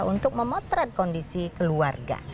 untuk memotret kondisi keluarga